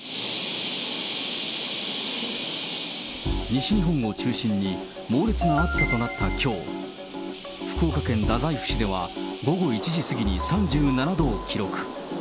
西日本を中心に猛烈な暑さとなったきょう、福岡県太宰府市では午後１時過ぎに３７度を記録。